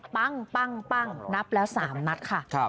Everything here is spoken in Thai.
ปั้งนับแล้ว๓นัดค่ะ